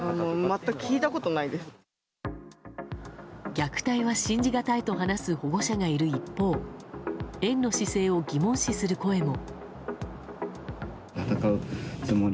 虐待は信じがたいと話す保護者がいる一方園の姿勢を疑問視する声も。